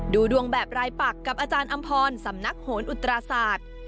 ดูดวงแบบรายปักกับอาจารย์อำพรสำนักโหนอุตราศาสตร์